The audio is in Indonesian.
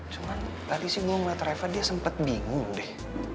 cuman tadi sih gue ngeliat rever dia sempat bingung deh